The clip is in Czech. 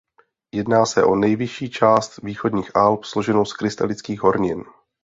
Jedná se o nejvyšší část Východních Alp složenou z krystalických hornin.